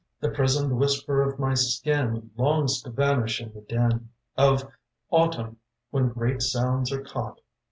The prisoned whisper of my skin Longs to vanish in the din Of Autumn when great sounds are caught.